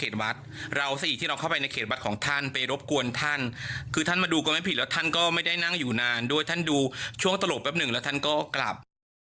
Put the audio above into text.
ท่านก็ไม่ได้นั่งอยู่นานด้วยท่านดูช่วงตลกแป๊บหนึ่งแล้วท่านก็กลับ